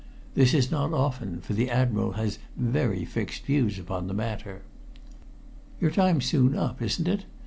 This is not often, for the Admiral has very fixed views upon the matter. "Your time's soon up, isn't it?"